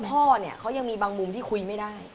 พ่อเนี่ยเขายังมีบางมุมที่คุยไม่ได้